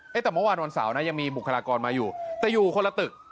แต่เมื่อวานวันเสาร์นะยังมีบุคลากรมาอยู่แต่อยู่คนละตึก